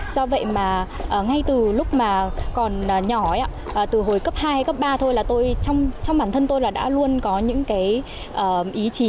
do vậy mà ngay từ lúc mà còn nhỏ ấy từ hồi cấp hai cấp ba thôi là tôi trong bản thân tôi là đã luôn có những cái ý chí